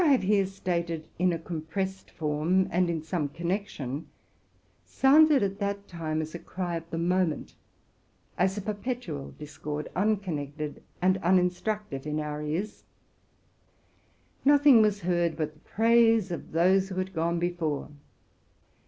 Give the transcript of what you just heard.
83 What I have stated here in a compressed form, and in some connection, sounded at that time as a cry of the moment, as a perpetual discord, unconnected and uninstrue tive, in ourears. Nothing was heard but the praise of those who had gone before.